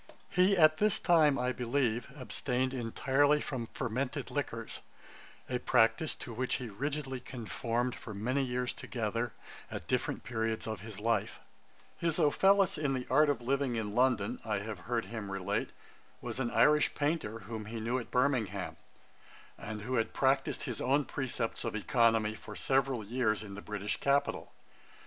A.D. 1737.] He at this time, I believe, abstained entirely from fermented liquors: a practice to which he rigidly conformed for many years together, at different periods of his life. [Page 105: An Irish Ofellus. Ætat 28.] His Ofellus in the Art of Living in London, I have heard him relate, was an Irish painter, whom he knew at Birmingham, and who had practised his own precepts of oeconomy for several years in the British capital.